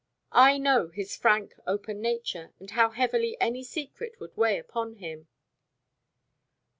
I know his frank open nature, and how heavily any secret would weigh upon him."